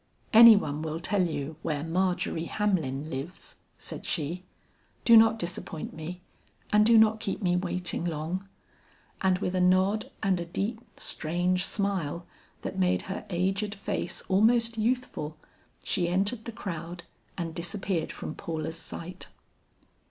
"Any one will tell you where Margery Hamlin lives," said she. "Do not disappoint me, and do not keep me waiting long." And with a nod and a deep strange smile that made her aged face almost youthful, she entered the crowd and disappeared from Paula's sight.